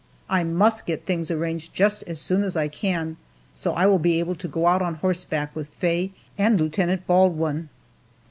I must get things arranged just as soon as I can, so I will be able to go out on horseback with Faye and Lieutenant Baldwin.